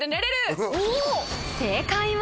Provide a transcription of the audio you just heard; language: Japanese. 正解は？